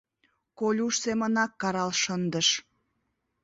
— Колюш семынак карал шындыш.